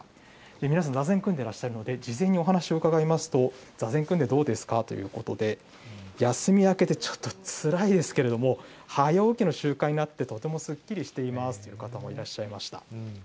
皆さん、座禅組んでらっしゃいますので、事前にお話を伺いますと、座禅組んでどうですか？ということで、休み明けでちょっとつらいですけれども、早起きの習慣になってとてもすっきりしていますという方もいらっしゃいました。